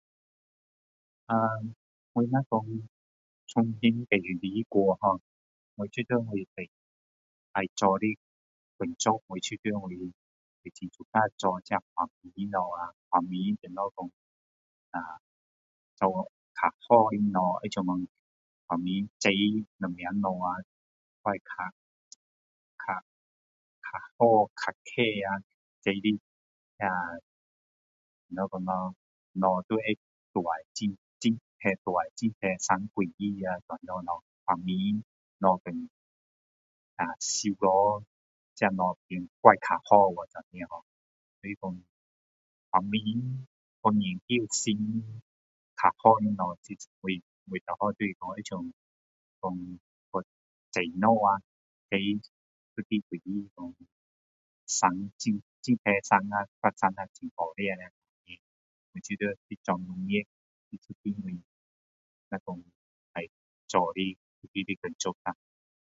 我如果说从新再来过[har],我觉得我要做的工作，我觉得我很喜欢做这个发明东西。发明怎么说做比较好的东西，好想说发明种什么东西，还会比较。。较。。较好，较快啊，种的那，怎么说咯，东西就会大，很快会大，很快长果子这样的。发明东西跟收拾这些东西会变更好这样咯。所以说发明去研究新，较好的东西，我更好像去种东西，种一种水果讲，生，很快生啊，还生的很好吃的呀 [unintelligible] 我觉得会做农业, [unintelligible] [unintelligible] 要做这样的工作啦